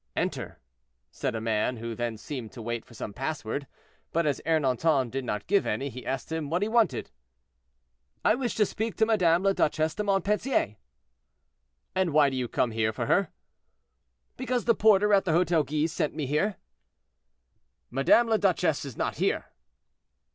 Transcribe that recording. "Enter," said a man, who then seemed to wait for some password, but as Ernanton did not give any, he asked him what he wanted. "I wish to speak to Madame la Duchesse de Montpensier." "And why do you come here for her?" "Because the porter at the Hotel Guise sent me here." "Madame la Duchesse is not here."